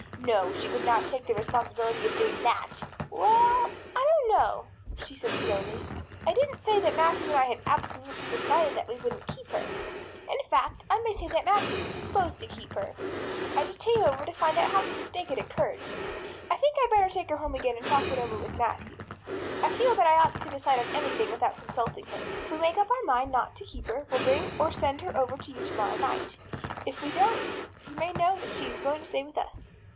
No, she could not take the responsibility of doing that! "Well, I don't know," she said slowly. "I didn't say that Matthew and I had absolutely decided that we wouldn't keep her. In fact I may say that Matthew is disposed to keep her. I just came over to find out how the mistake had occurred. I think I'd better take her home again and talk it over with Matthew. I feel that I oughtn't to decide on anything without consulting him. If we make up our mind not to keep her we'll bring or send her over to you tomorrow night. If we don't you may know that she is going to stay with us.